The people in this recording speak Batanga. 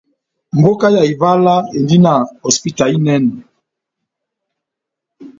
Mboka ya Ivala endi na hosipita inɛnɛ.